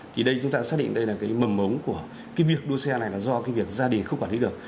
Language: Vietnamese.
thì đây chúng ta xác định đây là cái mầm mống của cái việc đua xe này là do cái việc gia đình không quản lý được